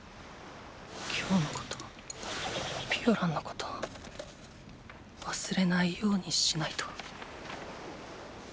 今日のことピオランのこと忘れないようにしないと。